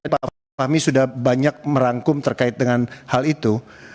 pak fahmi sudah banyak merangkum terkait dengan hal itu